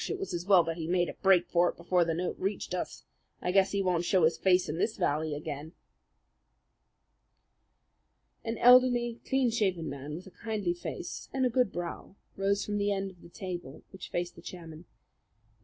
it was as well that he made a break for it before the note reached us! I guess he won't show his face in this valley again." An elderly, clean shaved man with a kindly face and a good brow rose from the end of the table which faced the chairman. "Mr.